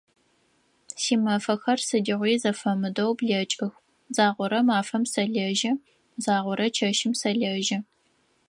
Симэфэхэр сыдигъуи зэфэмыдэу блэкӏых, загъорэ мафэм сэлэжьэ, загъорэ чэщым сэлэжьэ.